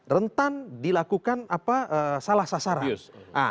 rentan dilakukan salah sasaran